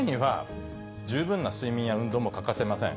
そのためには十分な睡眠や運動も欠かせません。